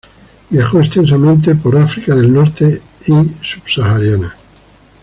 Viajó extensamente en África del Norte y subsahariana.